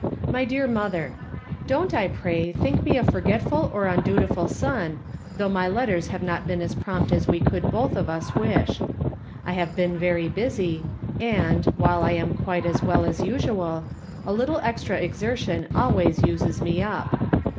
My Bear Mother : Don't, I pray, think me a forgetful or unduti ful son, thougli my letters have not been as prompt as we could both of us wish. I have been very busy, and, while I am quite as well as usual, a little extra exertion alwa5"s uses me up.